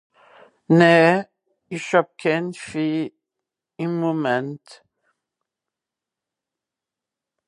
nää ìsch hàb kehn Fee ìm Moment